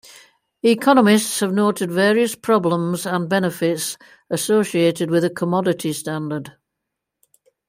Economists have noted various problems and benefits associated with a commodity standard.